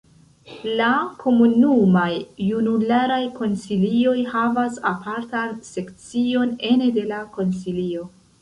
La komunumaj junularaj konsilioj havas apartan sekcion ene de la Konsilio.